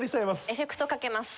エフェクトかけます。